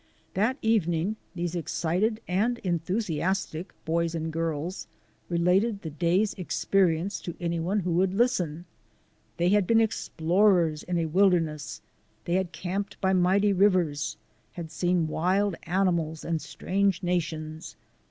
That evening these excited and enthusiastic boys and girls related the day's experience to any one who would listen. They had been explorers in a wilderness, had camped by mighty rivers, had seen wild animals and strange nations.